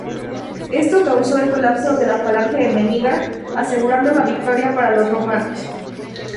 Esto causó el colapso de la falange enemiga, asegurando la victoria para los romanos.